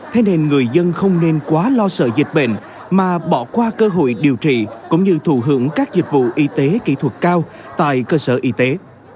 thế nên người dân không nên quá lo sợ dịch bệnh mà bỏ qua cơ hội điều trị cũng như thù hưởng các dịch vụ y tế kỹ thuật cao tại cơ sở y tế